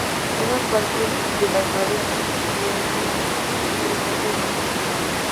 Eran parte de las Marianas y en ellas obtuvieron agua y víveres.